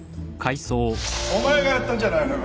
お前がやったんじゃないのか？